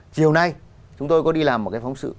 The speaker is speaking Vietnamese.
chiều nay chúng tôi có đi làm một cái phóng sự